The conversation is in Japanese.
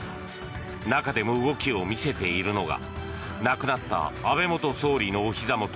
中でも動きを見せているのが亡くなった安倍元総理のおひざ元